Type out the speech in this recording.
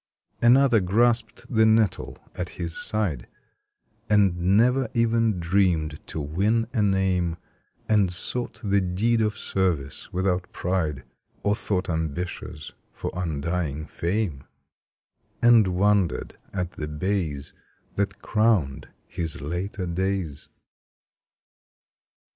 Another grasped the nettle at his side, And never even dreamed to win a name, And sought the deed of Service without pride Or thought ambitious for undying fame, And wondered at the bays That crowned his later days.